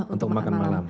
untuk makan malam